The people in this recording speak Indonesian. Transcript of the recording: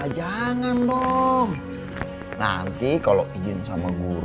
jangan dong nanti kalau izin sama guru